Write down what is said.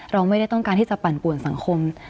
เราไม่ได้ต้องการที่จะปั่นป่วนสังคม